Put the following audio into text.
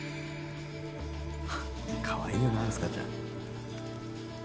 かわいいよな明日香ちゃん